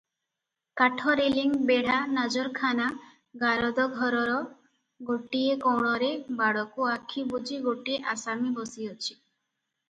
କାଠ ରେଲିଂ ବେଢ଼ା ନାଜରଖାନା ଗାରଦଘରର ଗୋଟିଏ କୋଣରେ ବାଡ଼କୁ ଆଖି ବୁଜି ଗୋଟିଏ ଆସାମୀ ବସିଅଛି ।